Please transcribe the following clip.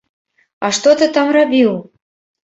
А што ты там рабіў?